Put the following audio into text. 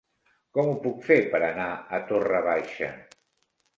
Com ho puc fer per anar a Torre Baixa?